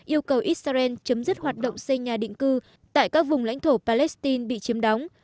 yêu cầu israel chấm dứt hoạt động xây nhà định cư tại các vùng lãnh thổ palestine bị chiếm đóng